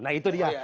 nah itu dia